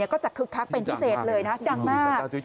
ก็จะคึกคักเป็นพิเศษเลยนะดังมาก